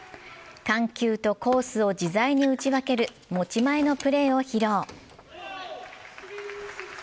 緩急とコースを自在に打ち分ける持ち前のプレーを披露。